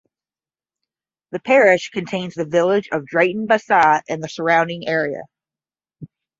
The parish contains the village of Drayton Bassett and the surrounding area.